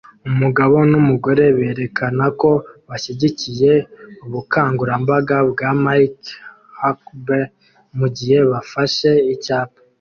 Umugabo numugore berekana ko bashyigikiye ubukangurambaga bwa Mike Huckabee mugihe bafashe icyapa